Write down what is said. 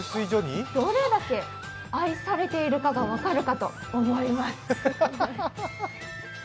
どれだけ愛されているかが分かるかと思います。